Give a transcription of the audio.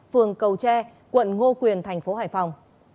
phường cầu tre quận ngô quyền thành phố hải phòng